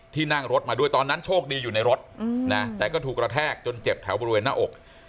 นั่งรถมาด้วยตอนนั้นโชคดีอยู่ในรถนะแต่ก็ถูกกระแทกจนเจ็บแถวบริเวณหน้าอก